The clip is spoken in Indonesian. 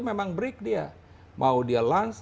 memang break dia mau dia lunch